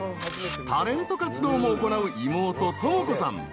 ［タレント活動も行う妹朋子さん］